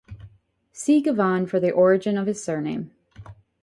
See Gavaghan for the origin of his surname.